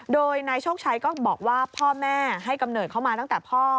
โดยนายโชคชัยก็บอกว่าพ่อแม่ให้กำเนิดเข้ามาตั้งแต่พ่อ